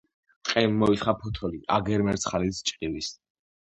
ტყემ მოისხა ფოტოლი აგერ მერცხალიც ჭყივის.